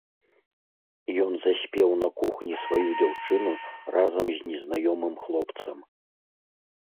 Ён заспеў на кухні сваю дзяўчыну разам з незнаёмым хлопцам.